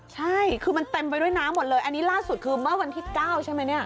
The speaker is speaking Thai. ใช่คือมันเต็มไปด้วยน้ำหมดเลยอันนี้ล่าสุดคือเมื่อวันที่๙ใช่ไหมเนี่ย